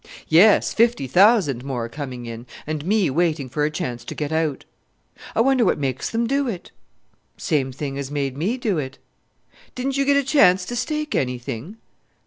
"Yes, fifty thousand more coming in and me waiting for a chance to get out!" "I wonder what makes them do it?" "Same thing as made me do it." "Didn't you git a chance to stake anything?"